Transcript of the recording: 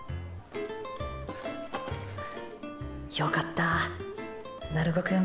よかった鳴子くん